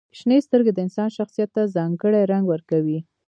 • شنې سترګې د انسان شخصیت ته ځانګړې رنګ ورکوي.